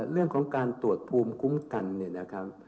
เรื่องของการตรวจภูมิคุ้มกันเนี่ยนะครับ